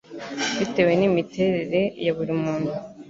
bitewe n'imiterere ya buri muntu